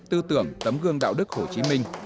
tư tưởng tấm gương đạo đức hồ chí minh